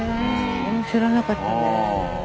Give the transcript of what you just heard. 知らなかったね。